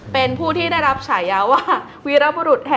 เป็นผู้ที่ได้รับฉาย้าว่า